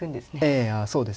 ええそうですね。